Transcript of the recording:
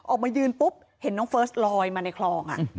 ออกมายืนปุ๊บเห็นน้องเฟิร์สลอยมาในคลอง